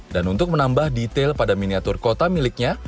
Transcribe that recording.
dan untuk menambah detail pada miniatur kota miliknya